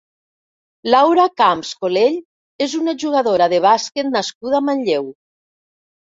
Laura Camps Colell és una jugadora de bàsquet nascuda a Manlleu.